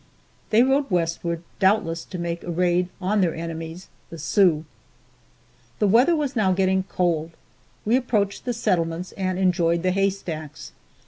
They rode westward, doubtless to make a raid on their enemies, the Sioux. The weather was now getting cold; we approached the settlements and enjoyed the haystacks.